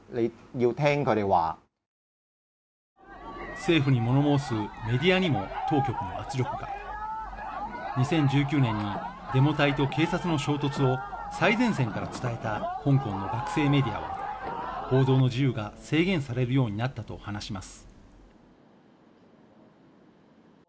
政府に物申すメディアにも当局の圧力が２０１９年にデモ隊と警察の衝突の最前線から伝えた香港の学生メディアは報道の自由が制限されるようになったと話します